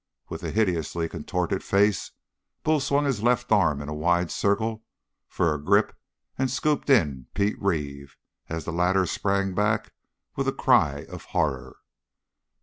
With a hideously contorted face, Bull swung his left arm in a wide circle for a grip and scooped in Pete Reeve, as the latter sprang back with a cry of horror.